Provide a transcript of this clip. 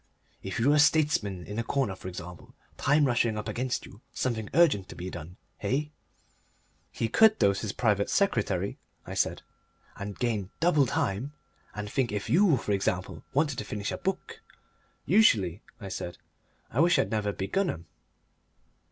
"If you were a statesman in a corner, for example, time rushing up against you, something urgent to be done, eh?" "He could dose his private secretary," I said. "And gain double time. And think if YOU, for example, wanted to finish a book." "Usually," I said, "I wish I'd never begun 'em."